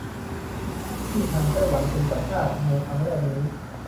ที่ทางไต้หวันเป็นเจ้าภาพในครั้งแรกนี้